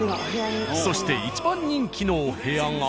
そして一番人気のお部屋が。